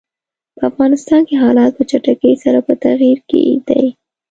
په افغانستان کې حالات په چټکۍ سره په تغییر کې دي.